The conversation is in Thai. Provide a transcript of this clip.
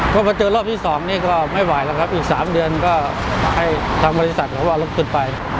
ก็มาเจอรอบที่๒นี่ก็ไม่ไหวแล้วครับอีก๓เดือนก็ให้ทางบริษัทเขาเอารถขึ้นไป